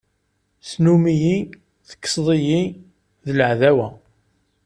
Snum-iyi, tekkseḍ-iyi, d laɛdawa.